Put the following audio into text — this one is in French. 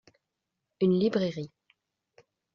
Une librairie.